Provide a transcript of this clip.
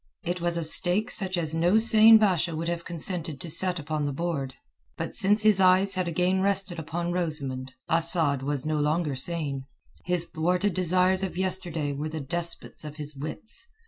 It was a stake such as no sane Basha would have consented to set upon the board. But since his eyes had again rested upon Rosamund, Asad was no longer sane. His thwarted desires of yesterday were the despots of his wits.